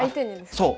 そう。